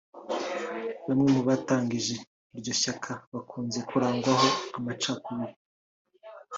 Bamwe mu batangije iryo shyaka bakunze kurangwaho amacakubiri